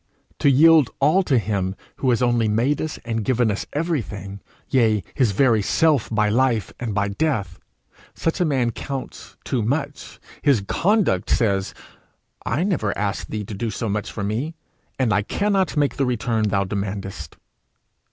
To yield all to him who has only made us and given us everything, yea his very self by life and by death, such a man counts too much. His conduct says, 'I never asked thee to do so much for me, and I cannot make the return thou demandest.'